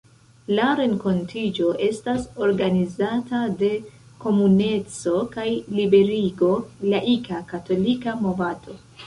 La renkontiĝo estas organizata de Komuneco kaj Liberigo, laika, katolika movado.